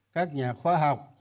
các nhà khoa học